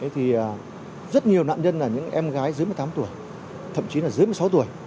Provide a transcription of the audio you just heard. thì rất nhiều nạn nhân là những em gái dưới một mươi tám tuổi thậm chí là dưới một mươi sáu tuổi